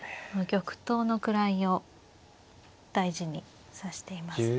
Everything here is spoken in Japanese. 玉頭の位を大事に指していますね。